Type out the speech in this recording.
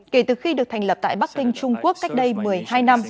kể từ khi được thành lập tại bắc kinh trung quốc cách đây một mươi hai năm